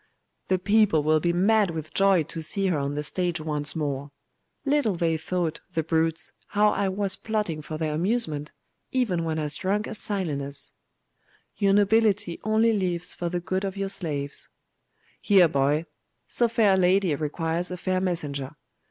'The people will be mad with joy to see her on the stage once more. Little they thought, the brutes, how I was plotting for their amusement, even when as drunk as Silenus.' 'Your nobility only lives for the good of your slaves.' 'Here, boy! So fair a lady requires a fair messenger.